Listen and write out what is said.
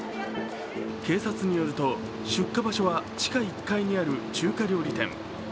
警察によると出火場所は地下１階にある中華料理店。